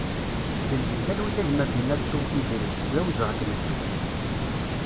Gen di talwit a gma Benatou Idris, d awezɣi ad k-nettu!